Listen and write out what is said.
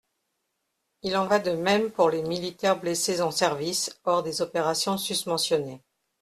Il en va de même pour les militaires blessés en service hors des opérations susmentionnées.